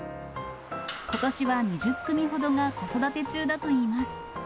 ことしは２０組ほどが子育て中だといいます。